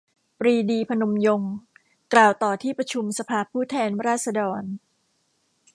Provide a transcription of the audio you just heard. ปรีดี พนมยงค์ กล่าวต่อที่ประชุมสภาผู้แทนราษฎร